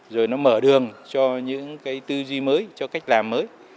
rồi nó mở đường cho những cái tư duy mới cho cách làm mới